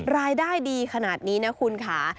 รายได้ดีขนาดนี้นะคุณค่ะ